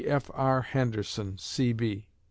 G. F. R. HENDERSON, C.